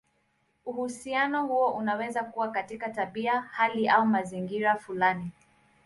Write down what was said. Uhusiano huo unaweza kuwa katika tabia, hali, au mazingira fulani.